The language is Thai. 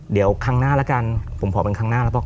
เดี๋ยวครั้งหน้าแล้วกันผมขอเป็นครั้งหน้าแล้วบอก